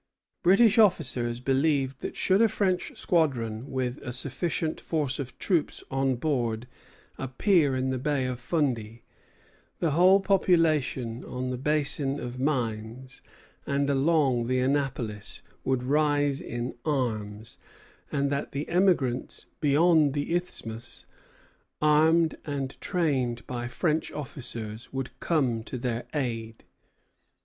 British officers believed that should a French squadron with a sufficient force of troops on board appear in the Bay of Fundy, the whole population on the Basin of Mines and along the Annapolis would rise in arms, and that the emigrants beyond the isthmus, armed and trained by French officers, would come to their aid.